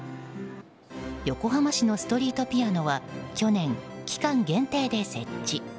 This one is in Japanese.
横浜市のストリートピアノは去年、期間限定で設置。